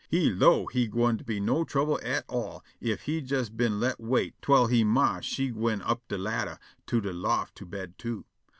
He 'low' he gwine be no trouble at all ef he jes been let wait twell he ma she gwine up de ladder to de loft to bed, too.